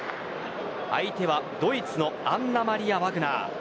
相手はドイツのアンナマリア・ワグナー。